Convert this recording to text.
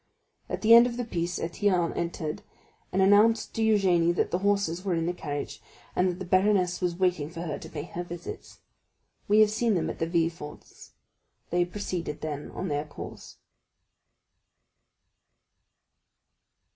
At the end of the piece Étienne entered, and announced to Eugénie that the horses were to the carriage, and that the baroness was waiting for her to pay her visits. We have seen them at Villefort's; they proceeded then on their course.